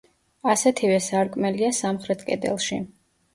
ასეთივე სარკმელია სამხრეთ კედელში.